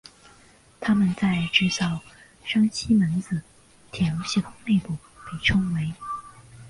它们在制造商西门子铁路系统内部被称为。